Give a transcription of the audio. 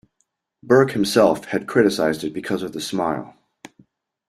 Burke himself had criticized it because of the smile.